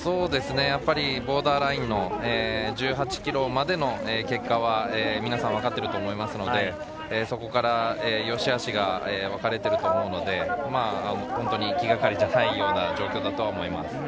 ボーダーラインの１８ｋｍまでの結果は皆さん分かっていると思いますので、そこから善し悪しが分かれていると思うので気がかりだと思います。